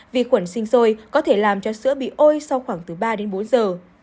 vi khuẩn sinh sôi có thể làm cho sữa bị ôi sau khoảng từ ba đến bốn giờ